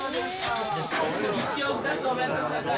立教２つお弁当ください。